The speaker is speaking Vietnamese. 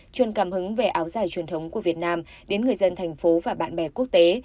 chuyên cảm hứng về áo dài truyền thống của việt nam đến người dân thành phố và bạn bè quốc tế